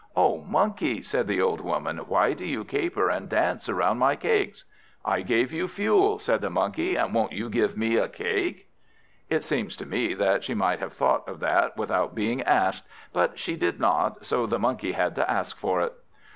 "O Monkey," said the old Woman, "why do you caper and dance around my cakes?" "I gave you fuel," said the Monkey, "and won't you give me a cake?" It seems to me that she might have thought of that without being asked; but she did not, so the Monkey had to ask for it.